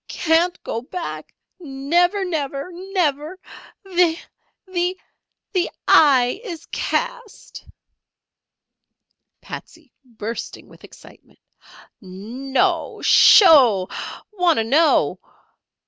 "Can't go back again. Never! Never! Never! The the eye is cast!" Patsey (bursting with excitement). "No'o! Sho'o! Wanter know."